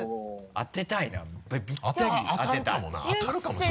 当たるかもな。